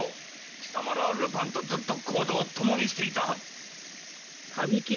貴様らはルパンとずっと行動を共にしていたはず。